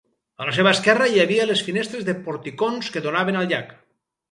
A la seva esquerra hi havia les finestres de porticons que donaven al llac.